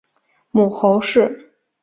母侯氏。